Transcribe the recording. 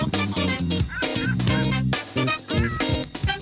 โปรดติดตามตอนต่อไป